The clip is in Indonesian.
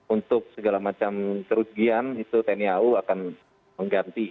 untuk segala macam kerugian itu tni au akan mengganti